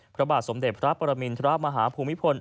พระบาทสมเด็จพระปรมินทรมาฮภูมิพล